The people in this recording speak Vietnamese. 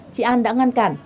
chị an đã ngăn cản